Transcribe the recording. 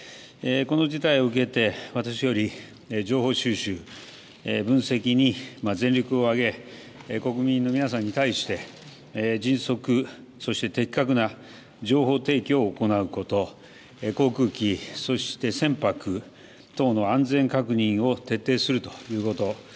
この事態を受けて私より、情報収集、分析に全力を挙げ国民の皆様に対して迅速、そして的確な情報提供を行うこと、航空機、そして船舶等の安全確認を徹底するということ。